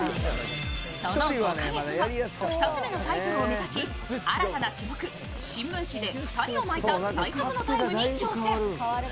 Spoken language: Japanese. その５か月後、２つ目のタイトルを目指し、新たな種目「新聞紙で２人を巻いた最速のタイム」に挑戦。